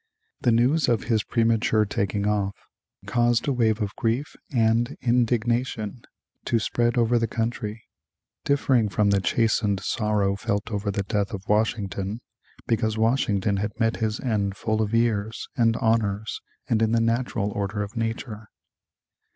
The news of his premature taking off caused a wave of grief and indignation to spread over the country, differing from the chastened sorrow felt over the death of Washington, because Washington had met his end full of years and honors, and in the natural order of nature.